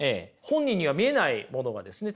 本人には見えないものがですね